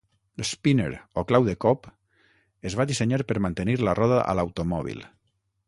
L'spinner o "clau de cop" es va dissenyar per mantenir la roda a l'automòbil.